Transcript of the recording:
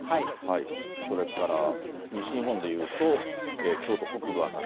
それから西日本でいうと、京都北部辺り。